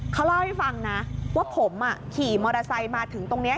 เขาเล่าให้ฟังนะว่าผมขี่มอเตอร์ไซค์มาถึงตรงนี้